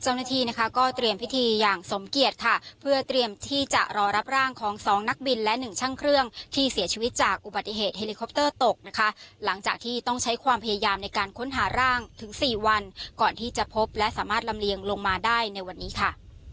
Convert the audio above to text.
เจ้าหน้าที่นะคะก็เตรียมพิธีอย่างสมเกียจค่ะเพื่อเตรียมที่จะรอรับร่างของสองนักบินและหนึ่งช่างเครื่องที่เสียชีวิตจากอุบัติเหตุเฮลิคอปเตอร์ตกนะคะหลังจากที่ต้องใช้ความพยายามในการค้นหาร่างถึงสี่วันก่อนที่จะพบและสามารถลำเลียงลงมาได้ในวันนี้ค่ะ